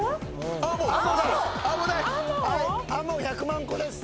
あも１００万個です。